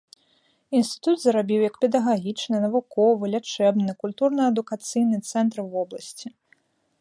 Інстытут зарабіў як педагагічны, навуковы, лячэбны, культурна-адукацыйны цэнтр вобласці.